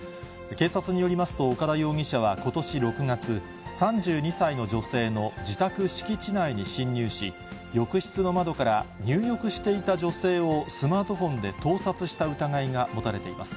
警察によりますと、岡田容疑者はことし６月、３２歳の女性の自宅敷地内に侵入し、浴室の窓から入浴していた女性をスマートフォンで盗撮した疑いが持たれています。